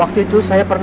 aku film di jalan